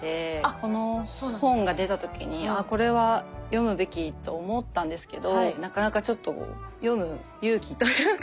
この本が出た時にあこれは読むべきと思ったんですけどなかなかちょっと読む勇気というか。